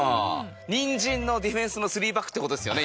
ニンジンのディフェンスのスリーバックって事ですよね？